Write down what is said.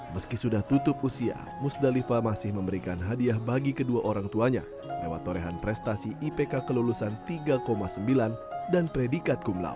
meski sudah tutup usia musdalifa masih memberikan hadiah bagi kedua orang tuanya lewat torehan prestasi ipk kelulusan tiga sembilan dan predikat kumla